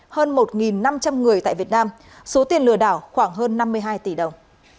hơn một năm trăm linh người tại việt nam số tiền lừa đảo khoảng hơn năm mươi hai tỷ đồng